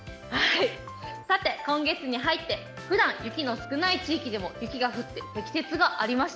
さて、今月に入ってふだん雪の少ない地域でも雪が降って、積雪がありました。